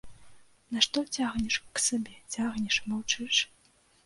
Нашто цягнеш к сабе, цягнеш, маўчыш?